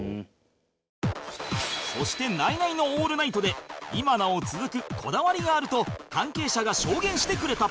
そしてナイナイの『オールナイト』で今なお続くこだわりがあると関係者が証言してくれた